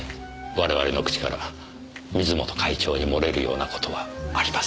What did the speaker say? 我々の口から水元会長に漏れるような事はありませんから。